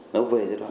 nó về giai đoạn ba